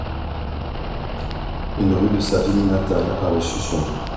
Une rue de sa ville natale a reçu son nom.